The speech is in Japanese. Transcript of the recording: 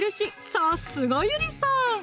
さすがゆりさん！